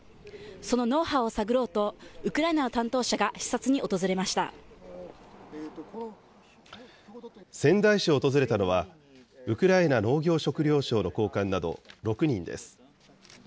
そのノウハウを探ろうと、ウクラ仙台市を訪れたのは、ウクライナ農業食料省の高官など６人です。